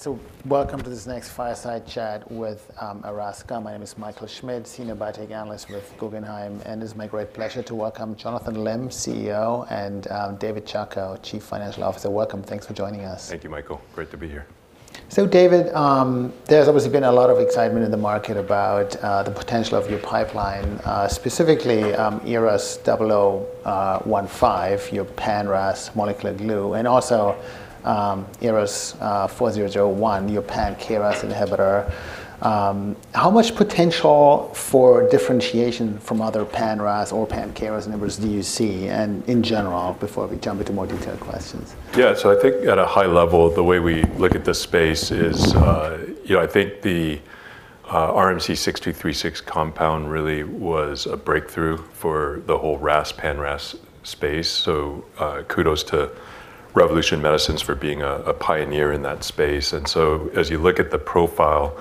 So welcome to this next fireside chat with Erasca. My name is Michael Schmidt, senior biotech analyst with Guggenheim, and it's my great pleasure to welcome Jonathan Lim, CEO, and David Chacko, Chief Financial Officer. Welcome. Thanks for joining us. Thank you, Michael. Great to be here. So David, there's obviously been a lot of excitement in the market about the potential of your pipeline, specifically, ERAS-0015, your pan-RAS molecular glue, and also, ERAS-4001, your pan-KRAS inhibitor. How much potential for differentiation from other pan-RAS or pan-KRAS inhibitors do you see, and in general, before we jump into more detailed questions? Yeah. So I think at a high level, the way we look at this space is, you know, I think the RMC-6236 compound really was a breakthrough for the whole RAS, pan-RAS space, so, kudos to Revolution Medicines for being a pioneer in that space. And so as you look at the profile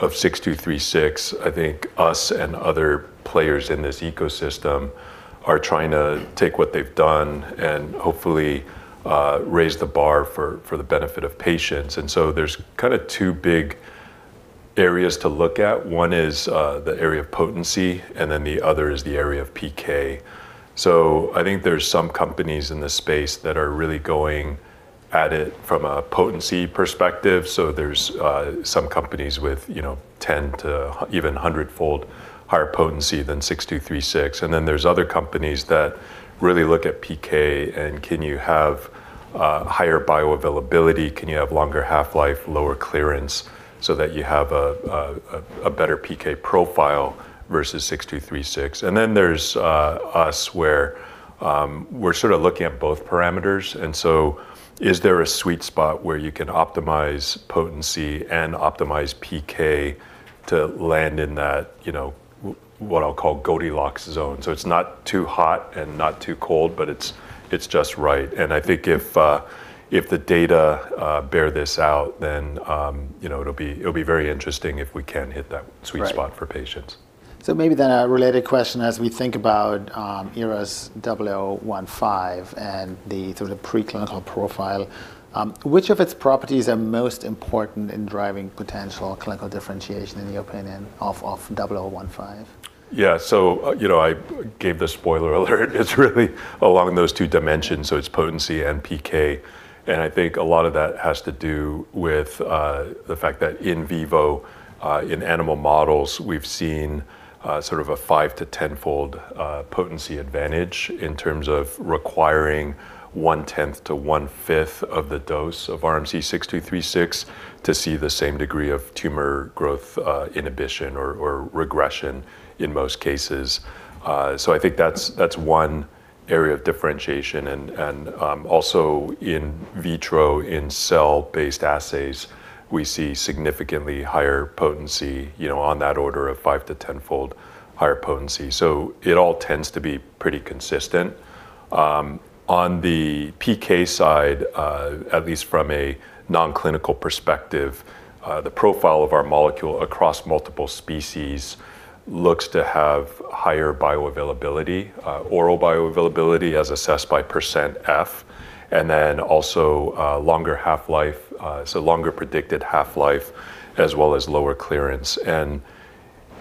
of 6236, I think us and other players in this ecosystem are trying to take what they've done and hopefully raise the bar for the benefit of patients. And so there's kinda two big areas to look at. One is the area of potency, and then the other is the area of PK. So I think there's some companies in this space that are really going at it from a potency perspective. So there's some companies with, you know, 10- to even 100-fold higher potency than 6236, and then there's other companies that really look at PK, and can you have higher bioavailability? Can you have longer half-life, lower clearance, so that you have a better PK profile versus 6236? And then there's us, where we're sort of looking at both parameters, and so is there a sweet spot where you can optimize potency and optimize PK to land in that, you know, what I'll call Goldilocks zone? So it's not too hot and not too cold, but it's, it's just right. And I think if the data bear this out, then, you know, it'll be- it'll be very interesting if we can hit that sweet- Right... spot for patients. Maybe then a related question as we think about ERAS-0015 and the sort of the preclinical profile. Which of its properties are most important in driving potential clinical differentiation, in your opinion, of, of 0015? Yeah, so, you know, I gave the spoiler alert. It's really along those two dimensions, so it's potency and PK, and I think a lot of that has to do with the fact that in vivo, in animal models, we've seen sort of a 5- to 10-fold potency advantage in terms of requiring 1/10 to 1/5 of the dose of RMC-6236 to see the same degree of tumor growth inhibition or regression in most cases. So I think that's one area of differentiation, and also in vitro, in cell-based assays, we see significantly higher potency, you know, on that order of five- to 10-fold higher potency, so it all tends to be pretty consistent. On the PK side, at least from a non-clinical perspective, the profile of our molecule across multiple species looks to have higher bioavailability, oral bioavailability, as assessed by percent F, and then also, longer half-life, so longer predicted half-life, as well as lower clearance.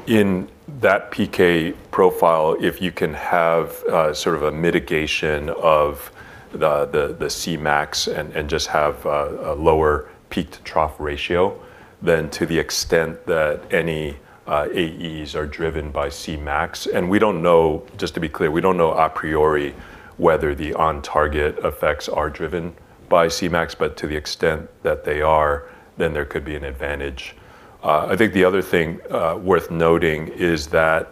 In that PK profile, if you can have sort of a mitigation of the Cmax and just have a lower peak-to-trough ratio, then to the extent that any AEs are driven by Cmax. We don't know, just to be clear, we don't know a priori whether the on-target effects are driven by Cmax, but to the extent that they are, then there could be an advantage. I think the other thing worth noting is that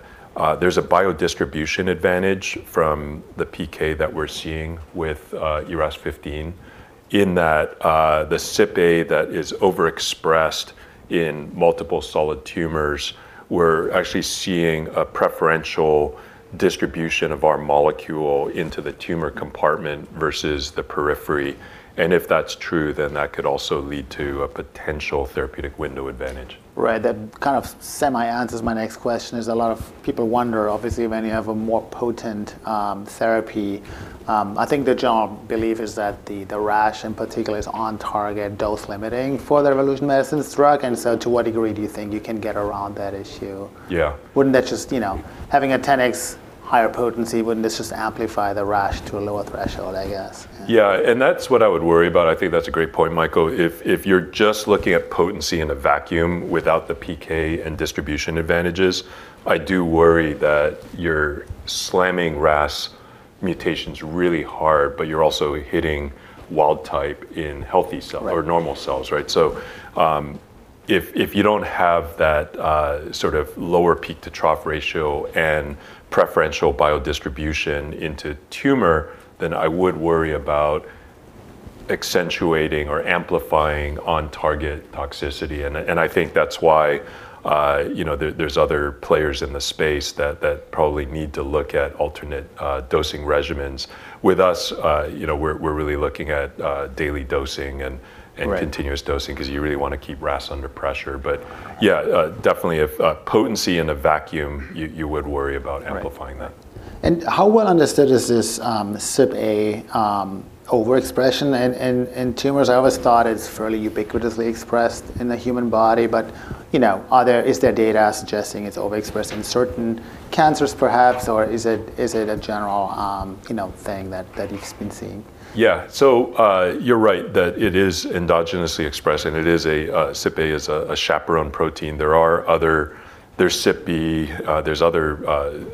there's a biodistribution advantage from the PK that we're seeing with ERAS-0015, in that the CypA that is overexpressed in multiple solid tumors, we're actually seeing a preferential distribution of our molecule into the tumor compartment versus the periphery, and if that's true, then that could also lead to a potential therapeutic window advantage. Right, that kind of semi-answers my next question, as a lot of people wonder, obviously, when you have a more potent therapy, I think the general belief is that the rash in particular is on target, dose-limiting for the Revolution Medicines drug. And so to what degree do you think you can get around that issue? Yeah. Wouldn't that just, you know... Having a 10x higher potency, wouldn't this just amplify the rash to a lower threshold, I guess? Yeah, and that's what I would worry about. I think that's a great point, Michael. If, if you're just looking at potency in a vacuum without the PK and distribution advantages, I do worry that you're slamming RAS mutations really hard, but you're also hitting wild type in healthy cells- Right... or normal cells, right? So, if you don't have that sort of lower peak-to-trough ratio and preferential biodistribution into tumor, then I would worry about accentuating or amplifying on-target toxicity, and I think that's why, you know, there's other players in the space that probably need to look at alternate dosing regimens. With us, you know, we're really looking at daily dosing and- Right ... and continuous dosing, 'cause you really wanna keep RAS under pressure. But yeah, definitely, if potency in a vacuum, you would worry about- Right... amplifying that.... How well understood is this CypA overexpression in tumors? I always thought it's fairly ubiquitously expressed in the human body, but, you know, is there data suggesting it's overexpressed in certain cancers, perhaps? Or is it a general, you know, thing that you've been seeing? Yeah. So, you're right that it is endogenously expressed, and it is a, CypA is a chaperone protein. There are other—there's CypB, there's other,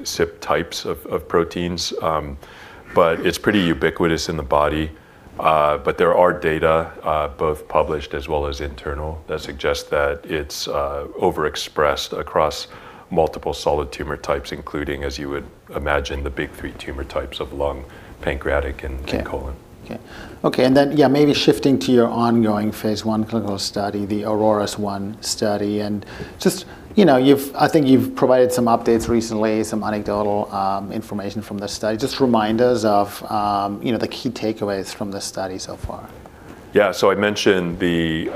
Cyp types of proteins, but it's pretty ubiquitous in the body. But there are data, both published as well as internal, that suggest that it's overexpressed across multiple solid tumor types, including, as you would imagine, the big three tumor types of lung, pancreatic, and colon. Yeah. Okay. Then, maybe shifting to your ongoing phase 1 clinical study, the AURORAS-1 study, and just, you know, I think you've provided some updates recently, some anecdotal information from this study. Just remind us of, you know, the key takeaways from this study so far. Yeah, so I mentioned the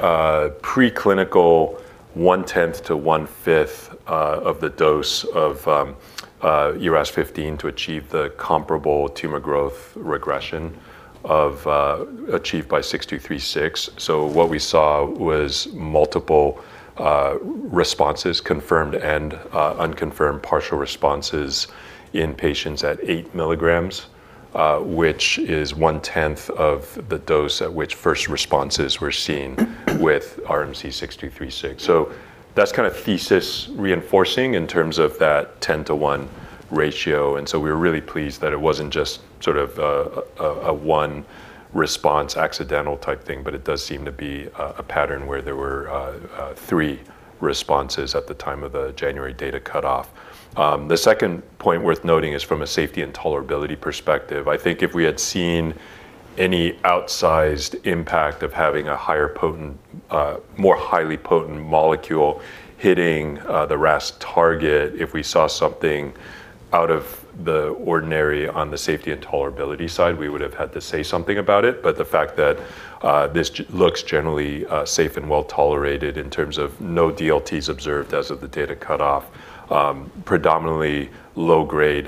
preclinical one-tenth to one-fifth of the dose of ERAS-0015 to achieve the comparable tumor growth regression achieved by RMC-6236. So what we saw was multiple responses, confirmed and unconfirmed partial responses in patients at 8 milligrams, which is one-tenth of the dose at which first responses were seen with RMC-6236. So that's kind of thesis-reinforcing in terms of that 10-to-1 ratio, and so we were really pleased that it wasn't just sort of a one-response accidental type thing, but it does seem to be a pattern where there were three responses at the time of the January data cutoff. The second point worth noting is from a safety and tolerability perspective. I think if we had seen any outsized impact of having a higher potent, more highly potent molecule hitting, the RAS target, if we saw something out of the ordinary on the safety and tolerability side, we would have had to say something about it. But the fact that, this looks generally, safe and well-tolerated in terms of no DLTs observed as of the data cutoff, predominantly low-grade,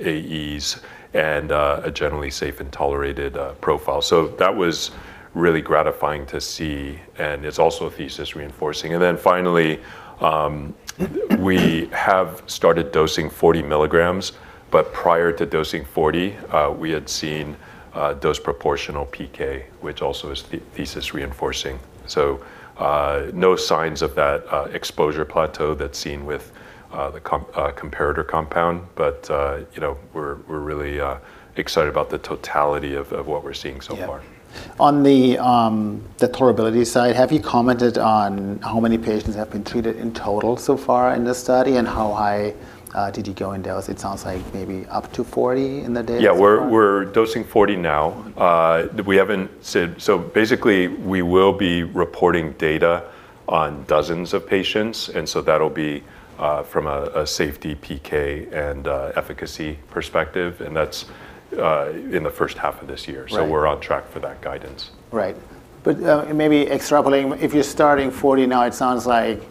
AEs and, a generally safe and tolerated, profile. So that was really gratifying to see, and it's also thesis-reinforcing. And then finally, we have started dosing 40 milligrams, but prior to dosing 40, we had seen, dose proportional PK, which also is thesis-reinforcing. So, no signs of that exposure plateau that's seen with the comparator compound, but you know, we're really excited about the totality of what we're seeing so far. Yeah. On the tolerability side, have you commented on how many patients have been treated in total so far in this study? And how high did you go in dose? It sounds like maybe up to 40 in the days, yeah. Yeah, we're dosing 40 now. We haven't said... So basically, we will be reporting data on dozens of patients, and so that'll be from a safety, PK, and efficacy perspective, and that's in the first half of this year. Right. We're on track for that guidance. Right. But, maybe extrapolating, if you're starting 40 now, it sounds like,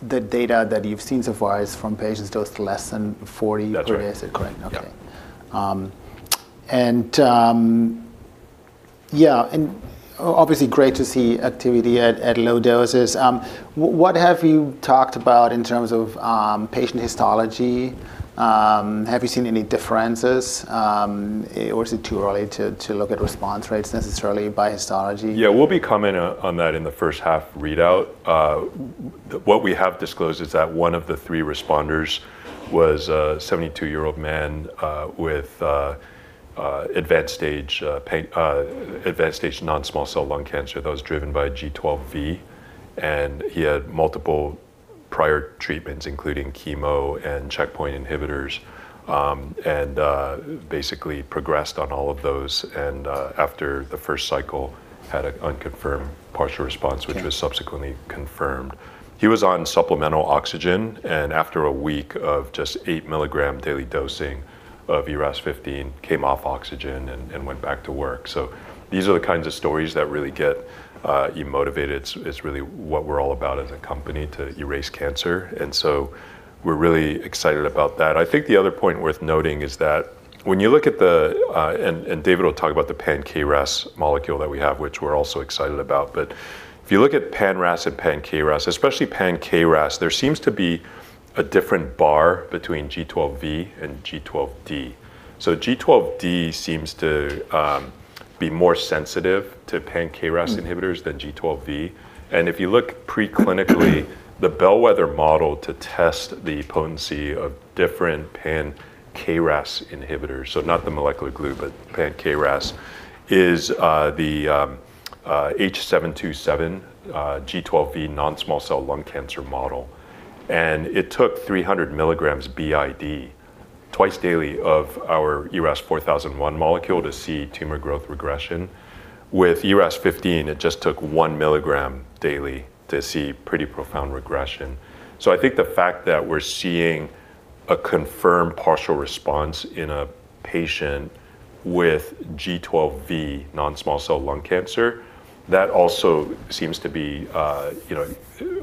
the data that you've seen so far is from patients dosed less than 40- That's right. -correct? Okay. Yeah. Yeah, and obviously, great to see activity at low doses. What have you talked about in terms of patient histology? Have you seen any differences, or is it too early to look at response rates necessarily by histology? Yeah, we'll be commenting on that in the first half readout. What we have disclosed is that one of the three responders was a 72-year-old man with advanced stage non-small cell lung cancer that was driven by G12V, and he had multiple prior treatments, including chemo and checkpoint inhibitors, and basically progressed on all of those, and after the first cycle, had an unconfirmed partial response- Okay... which was subsequently confirmed. He was on supplemental oxygen, and after a week of just 8 mg daily dosing of ERAS-0015, came off oxygen and went back to work. So these are the kinds of stories that really get you motivated. It's, it's really what we're all about as a company, to erase cancer, and so we're really excited about that. I think the other point worth noting is that when you look at the... And David will talk about the Pan-KRAS molecule that we have, which we're also excited about. But if you look at Pan-RAS and Pan-KRAS, especially Pan-KRAS, there seems to be a different bar between G12V and G12D. So G12D seems to be more sensitive to Pan-KRAS inhibitors- Mm... than G12V. And if you look preclinically, the Bellwether model to test the potency of different pan-KRAS inhibitors, so not the molecular glue, but pan-KRAS, is the H727 G12V non-small cell lung cancer model, and it took 300 milligrams BID, twice daily, of our ERAS-4001 molecule to see tumor growth regression. With ERAS-0015, it just took 1 milligram daily to see pretty profound regression. So I think the fact that we're seeing a confirmed partial response in a patient with G12V non-small cell lung cancer... That also seems to be, you know,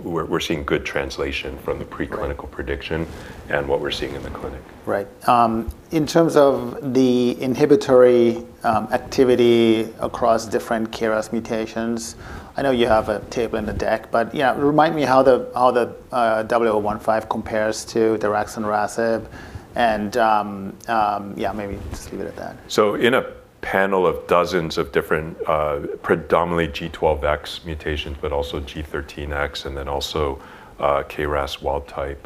we're seeing good translation from the preclinical prediction- Right. and what we're seeing in the clinic. Right. In terms of the inhibitory activity across different KRAS mutations, I know you have a table in the deck, but yeah, remind me how the ERAS-0015 compares to daraxonrasib, and yeah, maybe just leave it at that. So in a panel of dozens of different, predominantly G12X mutations, but also G13X, and then also, KRAS wild type,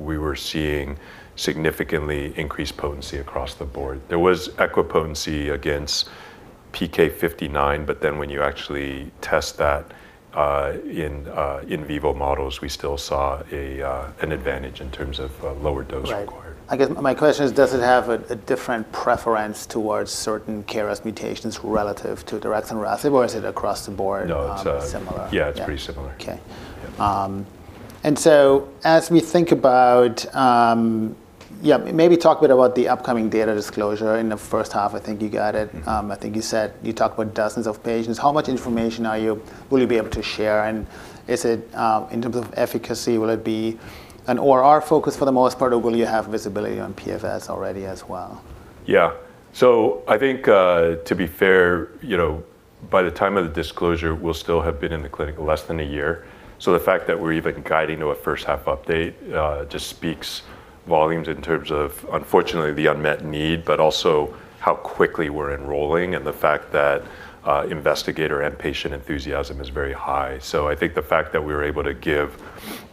we were seeing significantly increased potency across the board. There was equipotency against PK59, but then when you actually test that, in vivo models, we still saw a, an advantage in terms of, lower dose required. Right. I guess my question is, does it have a different preference towards certain KRAS mutations relative to daraxonrasib, or is it across the board? No, it's - similar? Yeah, it's pretty similar. Okay. And so as we think about... Yeah, maybe talk a bit about the upcoming data disclosure in the first half. I think you got it. Mm-hmm. I think you said you talked about dozens of patients. How much information will you be able to share? And is it in terms of efficacy, will it be an ORR focus for the most part, or will you have visibility on PFS already as well? Yeah. So I think, to be fair, you know, by the time of the disclosure, we'll still have been in the clinic less than a year. So the fact that we're even guiding to a first-half update, just speaks volumes in terms of, unfortunately, the unmet need, but also how quickly we're enrolling, and the fact that, investigator and patient enthusiasm is very high. So I think the fact that we were able to give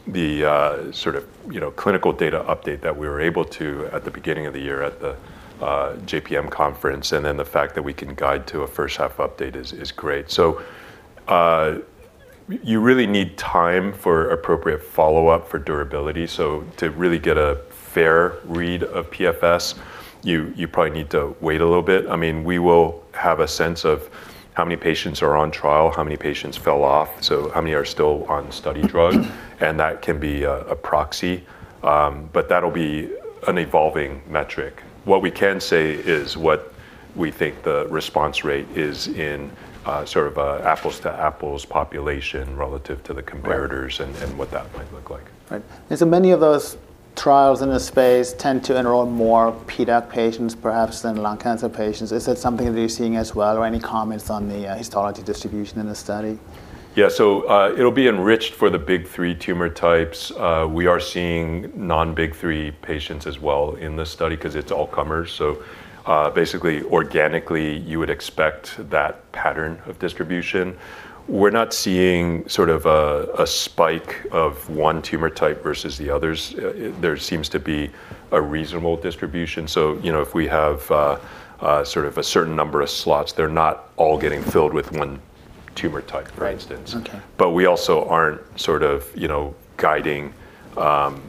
the, sort of, you know, clinical data update that we were able to at the beginning of the year at the, JPM conference, and then the fact that we can guide to a first-half update is great. So, you really need time for appropriate follow-up for durability. So to really get a fair read of PFS, you probably need to wait a little bit. I mean, we will have a sense of how many patients are on trial, how many patients fell off, so how many are still on study drug—and that can be a proxy, but that'll be an evolving metric. What we can say is what we think the response rate is in sort of an apples-to-apples population relative to the comparators- Right and what that might look like. Right. And so many of those trials in this space tend to enroll more PDAC patients, perhaps than lung cancer patients. Is that something that you're seeing as well, or any comments on the histology distribution in the study? Yeah. So, it'll be enriched for the big three tumor types. We are seeing non-big three patients as well in this study 'cause it's all comers. So, basically, organically, you would expect that pattern of distribution. We're not seeing sort of a spike of one tumor type versus the others. There seems to be a reasonable distribution. So, you know, if we have sort of a certain number of slots, they're not all getting filled with one tumor type- Right For instance. Okay. But we also aren't sort of, you know, guiding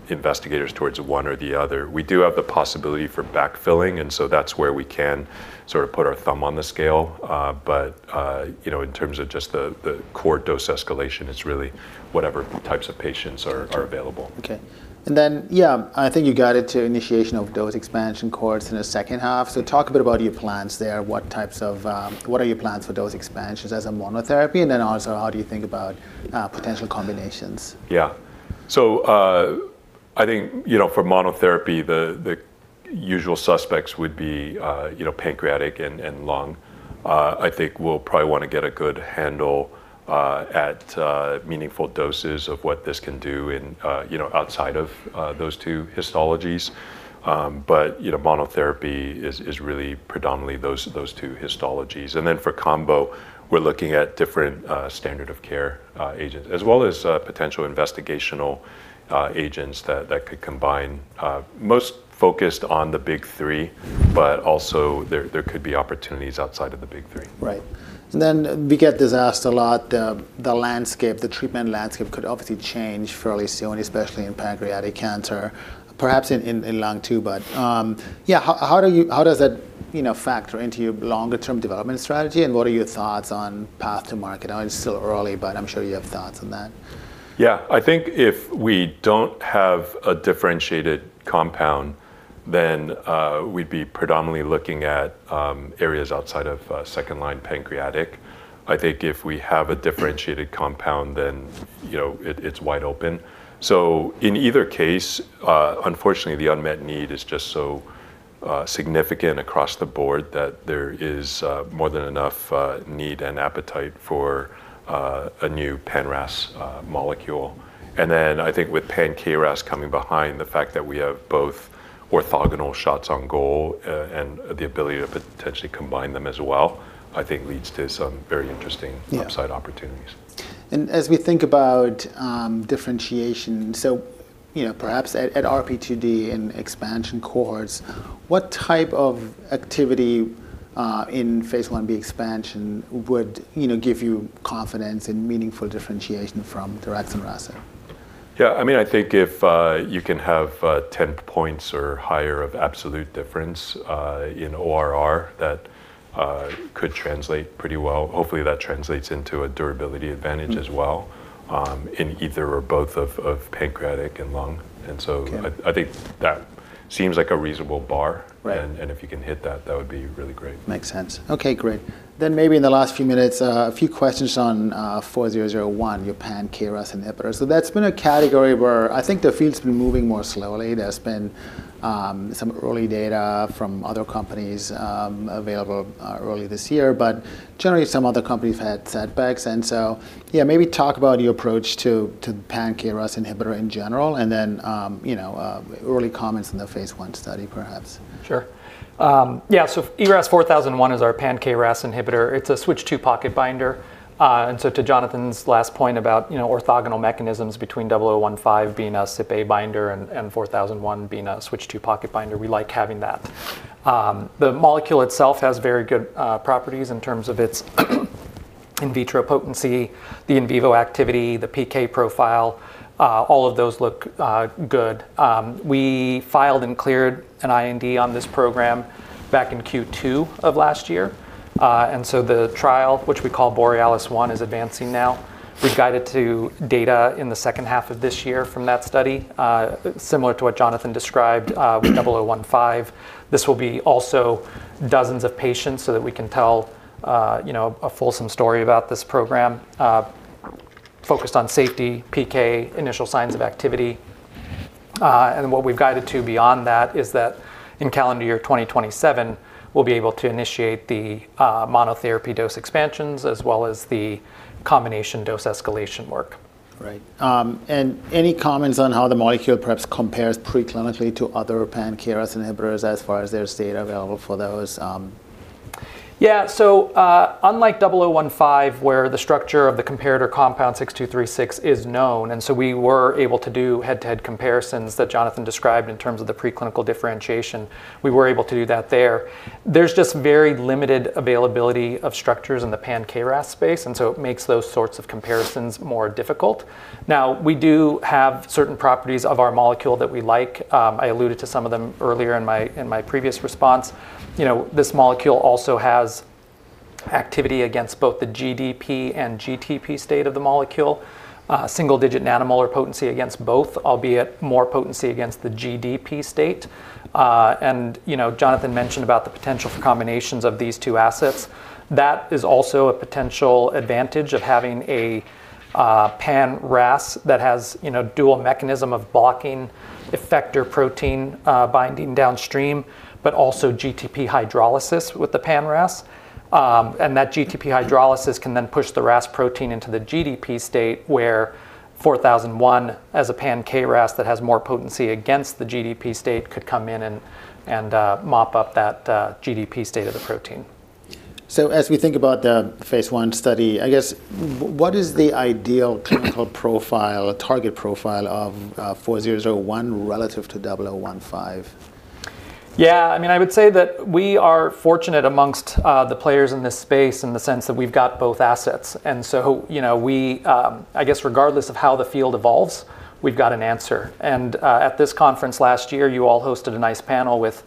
investigators towards one or the other. We do have the possibility for backfilling, and so that's where we can sort of put our thumb on the scale. But you know, in terms of just the core dose escalation, it's really whatever types of patients are available. Sure. Okay. And then, yeah, I think you got it to initiation of dose expansion cohorts in the second half. So talk a bit about your plans there. What are your plans for dose expansions as a monotherapy, and then also, how do you think about potential combinations? Yeah. So, I think, you know, for monotherapy, the usual suspects would be, you know, pancreatic and lung. I think we'll probably want to get a good handle at meaningful doses of what this can do in, you know, outside of those two histologies. But you know, monotherapy is really predominantly those two histologies. And then for combo, we're looking at different standard of care agents, as well as potential investigational agents that could combine, most focused on the big three, but also there could be opportunities outside of the big three. Right. And then we get this asked a lot, the treatment landscape could obviously change fairly soon, especially in pancreatic cancer, perhaps in lung too. But, yeah, how does that, you know, factor into your longer term development strategy, and what are your thoughts on path to market? I know it's still early, but I'm sure you have thoughts on that. Yeah. I think if we don't have a differentiated compound, then we'd be predominantly looking at areas outside of second-line pancreatic. I think if we have a differentiated compound, then, you know, it, it's wide open. So in either case, unfortunately, the unmet need is just so significant across the board that there is more than enough need and appetite for a new Pan RAS molecule. And then I think with Pan KRAS coming behind, the fact that we have both orthogonal shots on goal and the ability to potentially combine them as well, I think leads to some very interesting- Yeah - upside opportunities. As we think about differentiation, so, you know, perhaps at RPTD and expansion cohorts, what type of activity in phase Ib expansion would, you know, give you confidence in meaningful differentiation from daraxonrasib?... Yeah, I mean, I think if you can have 10 points or higher of absolute difference in ORR, that could translate pretty well. Hopefully, that translates into a durability advantage- Mm -as well, in either or both of pancreatic and lung. And so- Okay... I think that seems like a reasonable bar. Right. And if you can hit that, that would be really great. Makes sense. Okay, great. Then maybe in the last few minutes, a few questions on 4001, your pan-KRAS inhibitor. So that's been a category where I think the field's been moving more slowly. There's been some early data from other companies available early this year, but generally some other companies had setbacks. And so, yeah, maybe talk about your approach to pan-KRAS inhibitor in general, and then, you know, early comments on the phase I study, perhaps. Sure. Yeah, so ERAS-4001 is our pan-KRAS inhibitor. It's a Switch II Pocket binder. So to Jonathan's last point about, you know, orthogonal mechanisms between 0015 being a CypA binder and 4001 being a Switch Two Pocket binder, we like having that. The molecule itself has very good properties in terms of its in vitro potency, the in vivo activity, the PK profile, all of those look good. We filed and cleared an IND on this program back in Q2 of last year. So the trial, which we call BOREALIS-1, is advancing now. We've guided to data in the second half of this year from that study, similar to what Jonathan described with 0015. This will be also dozens of patients so that we can tell, you know, a fulsome story about this program, focused on safety, PK, initial signs of activity. And what we've guided to beyond that is that in calendar year 2027, we'll be able to initiate the monotherapy dose expansions as well as the combination dose escalation work. Right. And any comments on how the molecule perhaps compares preclinically to other pan-KRAS inhibitors as far as there's data available for those...? Yeah, so, unlike ERAS-0015, where the structure of the comparator compound RMC-6236 is known, and so we were able to do head-to-head comparisons that Jonathan described in terms of the preclinical differentiation, we were able to do that there. There's just very limited availability of structures in the pan-KRAS space, and so it makes those sorts of comparisons more difficult. Now, we do have certain properties of our molecule that we like. I alluded to some of them earlier in my previous response. You know, this molecule also has activity against both the GDP and GTP state of the molecule. Single-digit nanomolar potency against both, albeit more potency against the GDP state. And, you know, Jonathan mentioned about the potential for combinations of these two assets. That is also a potential advantage of having a pan-RAS that has, you know, dual mechanism of blocking effector protein binding downstream, but also GTP hydrolysis with the pan-RAS. And that GTP hydrolysis can then push the RAS protein into the GDP state, where 4001, as a pan-KRAS that has more potency against the GDP state, could come in and mop up that GDP state of the protein. As we think about the phase I study, I guess what is the ideal clinical profile or target profile of 4001 relative to 0015? Yeah, I mean, I would say that we are fortunate amongst the players in this space in the sense that we've got both assets. So, you know, we, I guess, regardless of how the field evolves, we've got an answer. At this conference last year, you all hosted a nice panel with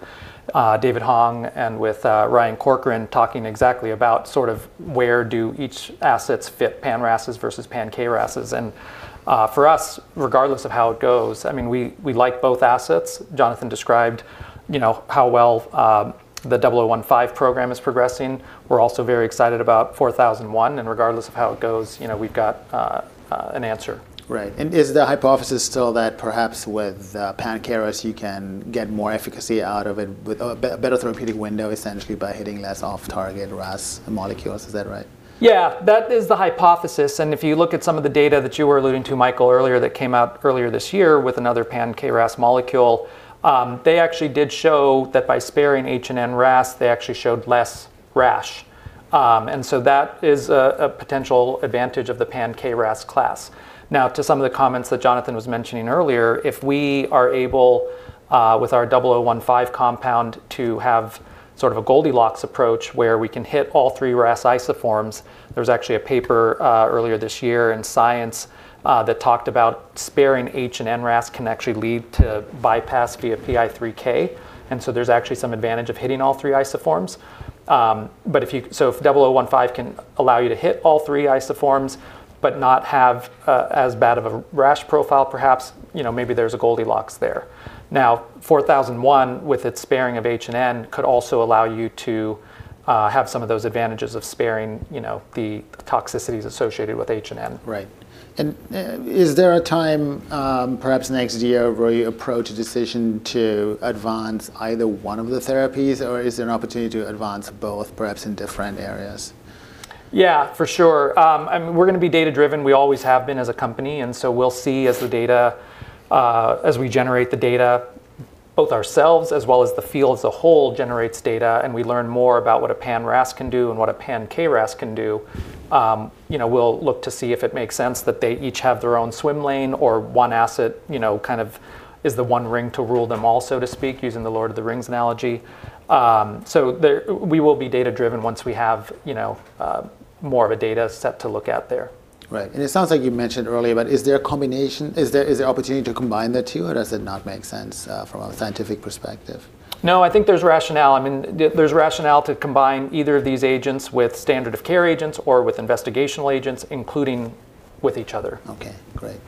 David Hong and with Ryan Corcoran, talking exactly about sort of where do each assets fit pan-RAS versus pan-KRAS. For us, regardless of how it goes, I mean, we, we like both assets. Jonathan described, you know, how well the 0015 program is progressing. We're also very excited about 4001, and regardless of how it goes, you know, we've got an answer. Right. And is the hypothesis still that perhaps with pan-KRAS, you can get more efficacy out of it with a better therapeutic window, essentially by hitting less off-target RAS molecules? Is that right? Yeah, that is the hypothesis. And if you look at some of the data that you were alluding to, Michael, earlier, that came out earlier this year with another pan-KRAS molecule, they actually did show that by sparing H and N RAS, they actually showed less rash. And so that is a potential advantage of the pan-KRAS class. Now, to some of the comments that Jonathan was mentioning earlier, if we are able, with our double zero one five compound, to have sort of a Goldilocks approach, where we can hit all three RAS isoforms, there was actually a paper, earlier this year in Science, that talked about sparing H and N RAS can actually lead to bypass via PI3K, and so there's actually some advantage of hitting all three isoforms. So if ERAS-0015 can allow you to hit all three isoforms, but not have as bad of a rash profile, perhaps, you know, maybe there's a Goldilocks there. Now, ERAS-4001, with its sparing of H and N, could also allow you to have some of those advantages of sparing, you know, the toxicities associated with H and N. Right. And, is there a time, perhaps next year, where you approach a decision to advance either one of the therapies, or is there an opportunity to advance both, perhaps in different areas? Yeah, for sure. I mean, we're gonna be data-driven. We always have been as a company, and so we'll see as the data, as we generate the data, both ourselves, as well as the field as a whole, generates data, and we learn more about what a pan-RAS can do and what a pan-KRAS can do, you know, we'll look to see if it makes sense that they each have their own swim lane or one asset, you know, kind of is the one ring to rule them all, so to speak, using the Lord of the Rings analogy. So there, we will be data-driven once we have, you know, more of a data set to look at there. Right. It sounds like you mentioned earlier, but is there a combination? Is there, is there opportunity to combine the two, or does it not make sense, from a scientific perspective? No, I think there's rationale. I mean, there's rationale to combine either of these agents with standard of care agents or with investigational agents, including with each other. Okay, great.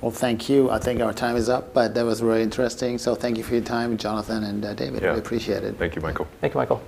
Well, thank you. I think our time is up, but that was very interesting. So thank you for your time, Jonathan and David. Yeah. I appreciate it. Thank you, Michael. Thank you, Michael.